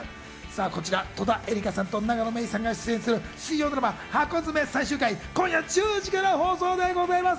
こちら戸田恵梨香さんと永野芽郁さんが出演する水曜ドラマ『ハコヅメ』最終回、今夜１０時から放送でございます。